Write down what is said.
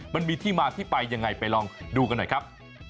มันมีที่มาที่ไปยังไงไปลองดูกันหน่อยครับ